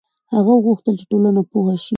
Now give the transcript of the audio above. هغه غوښتل چې ټولنه پوه شي.